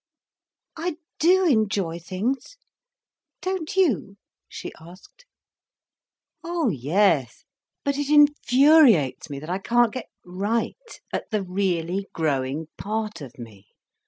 "I do enjoy things—don't you?" she asked. "Oh yes! But it infuriates me that I can't get right, at the really growing part of me.